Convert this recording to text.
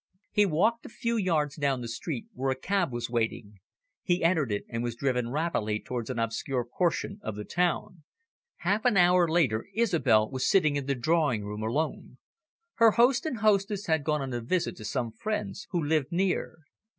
He walked a few yards down the street, where a cab was waiting. He entered it, and was driven rapidly towards an obscure portion of the town. Half an hour later, Isobel was sitting in the drawing room alone. Her host and hostess had gone on a visit to some friends who lived near.